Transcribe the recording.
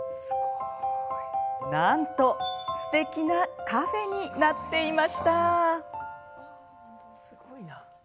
なんと、すてきなカフェになっていました。